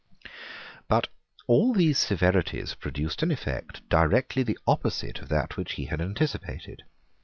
But all these severities produced an effect directly the opposite of that which he had anticipated.